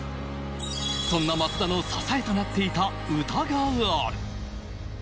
そんな松田の支えとなっていた歌がある。